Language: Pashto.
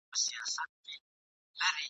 راته ازل ایستلي لاري پرېښودلای نه سم !.